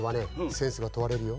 センスがとわれるよ。